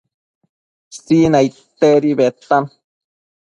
Sinaidtedi bedtan